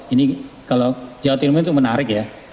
ini kalau jawa timur itu menarik ya